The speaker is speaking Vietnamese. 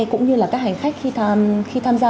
cũng như là các hành khách khi tham gia